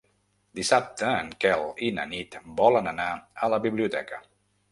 Dissabte en Quel i na Nit volen anar a la biblioteca.